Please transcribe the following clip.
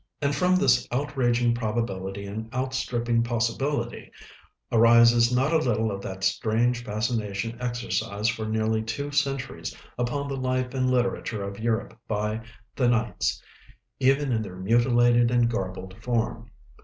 And from this outraging probability and outstripping possibility arises not a little of that strange fascination exercised for nearly two centuries upon the life and literature of Europe by 'The Nights,' even in their mutilated and garbled form.